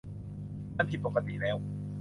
มันผิดปกติแล้ว